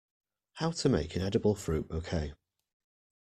How to make an edible fruit bouquet.